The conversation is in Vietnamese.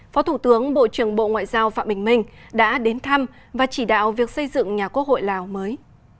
phó thủ tướng bộ trưởng bộ ngoại giao phạm bình minh đã đến thăm và chỉ đạo việc xây dựng nhà quốc hội lào mới